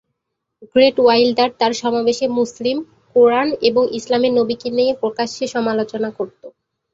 Great Wilder তার সমাবেশে মুসলিম, কুরআন এবং ইসলামের নবীকে নিয়ে প্রকাশ্যে সমালোচনা করতো।